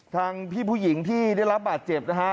ทางพี่ผู้หญิงที่ได้รับบาดเจ็บนะฮะ